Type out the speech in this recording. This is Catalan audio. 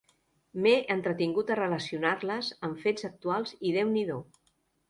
M'he entretingut a relacionar-les amb fets actuals i déu n'hi do.